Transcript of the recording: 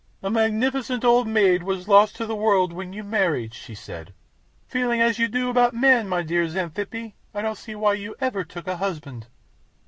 "A magnificent old maid was lost to the world when you married," she said. "Feeling as you do about men, my dear Xanthippe, I don't see why you ever took a husband."